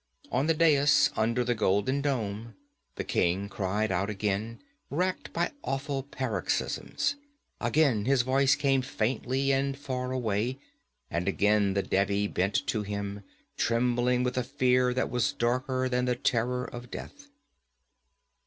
On the dais under the golden dome the king cried out again, racked by awful paroxysms. Again his voice came faintly and far away, and again the Devi bent to him, trembling with a fear that was darker than the terror of death.